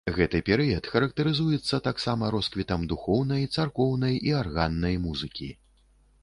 Гэты перыяд характарызуецца таксама росквітам духоўнай, царкоўнай і арганнай музыкі.